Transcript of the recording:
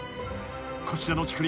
［こちらの竹林